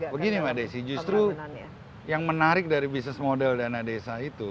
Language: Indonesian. begini mbak desi justru yang menarik dari bisnis model dana desa itu